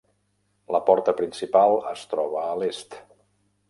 La porta principal es troba a l'est.